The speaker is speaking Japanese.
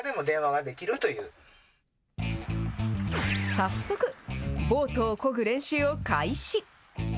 早速、ボートをこぐ練習を開始。